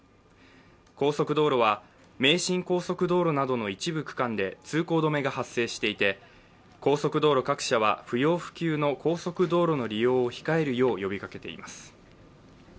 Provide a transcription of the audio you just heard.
高速道路は名神高速道路などの一部区間で通行止めが発生していて、高速道路各社は不要不急の高速道路の利用を引けるよう呼びかけています。